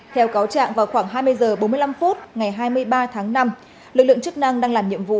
theo cáo trạng vào khoảng hai mươi h bốn mươi năm phút ngày hai mươi ba tháng năm lực lượng chức năng đang làm nhiệm vụ